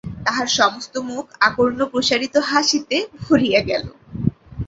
তাহার সমস্ত মুখ আকর্ণপ্রসারিত হাসিতে ভরিয়া গেল।